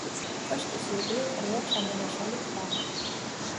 კოშკის ირგვლივ ყრია ჩამონაშალი ქვა.